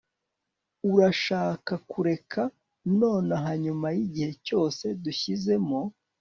urashaka kureka nonaha nyuma yigihe cyose dushyizemo